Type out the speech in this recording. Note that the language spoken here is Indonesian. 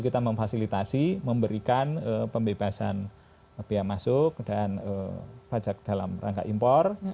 kita memfasilitasi memberikan pembebasan biaya masuk dan pajak dalam rangka impor